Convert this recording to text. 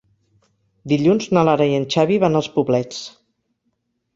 Dilluns na Lara i en Xavi van als Poblets.